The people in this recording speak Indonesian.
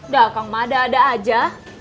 dah kang mada ada aja